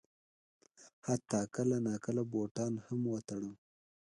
حتی کله ناکله بوټان هم ور تړم.